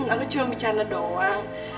aku cuma bicara doang